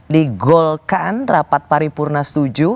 digolkan rapat paripurna setuju